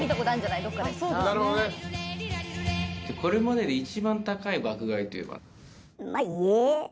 これまでで一番高い爆買いといえば？